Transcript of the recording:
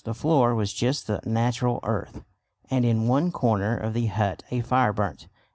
The floor was just the natural earth, and in one corner of the hut a fire burnt.